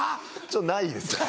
ちょっとないですね。